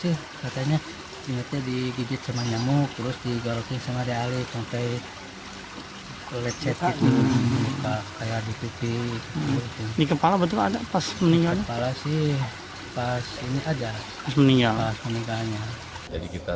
direka claimed arah sebahagiannya menjadi salah satu alidaniel untuk penerimaan problem virus hinteria